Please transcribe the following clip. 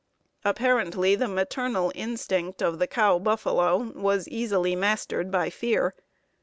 ] Apparently the maternal instinct of the cow buffalo was easily mastered by fear.